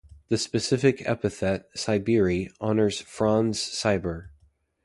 The specific epithet ("sieberi") honours Franz Sieber.